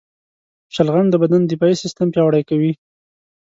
شلغم د بدن دفاعي سیستم پیاوړی کوي.